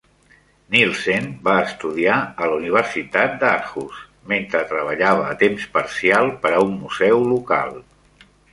Nielsen va estudiar a la Universitat d'Aarhus mentre treballava a temps parcial per a un museu local.